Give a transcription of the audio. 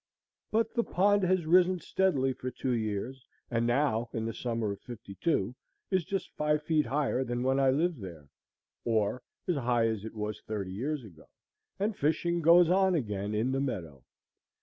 But the pond has risen steadily for two years, and now, in the summer of '52, is just five feet higher than when I lived there, or as high as it was thirty years ago, and fishing goes on again in the meadow.